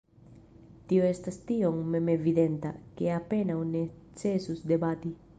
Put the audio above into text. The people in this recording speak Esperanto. Tio estas tiom memevidenta, ke apenaŭ necesus debati.